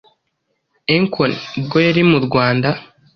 Akon ubwo yari mu Rwanda